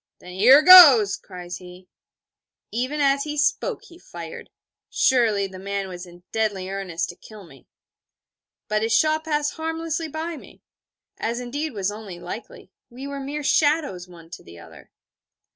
'Then here goes!' cries he. Even as he spoke, he fired. Surely, the man was in deadly earnest to kill me. But his shot passed harmlessly by me: as indeed was only likely: we were mere shadows one to the other.